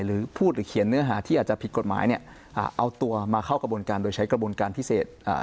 หรือพูดหรือเขียนเนื้อหาที่อาจจะผิดกฎหมายเนี่ยอ่าเอาตัวมาเข้ากระบวนการโดยใช้กระบวนการพิเศษอ่า